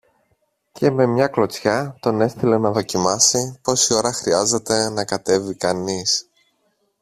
και με μια κλωτσιά τον έστειλε να δοκιμάσει πόση ώρα χρειάζεται να κατέβει κανείς